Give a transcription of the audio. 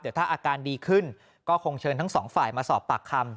แต่ถ้าอาการดีขึ้นก็คงเชิญทั้งสองฝ่ายมาสอบปากคำ